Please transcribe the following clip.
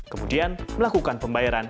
kemudian melakukan pembayaran